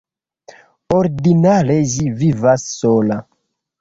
Ordinare ĝi vivas sola.